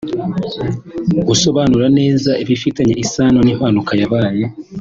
Gusobanura neza ibifitanye isano n’impanuka yabaye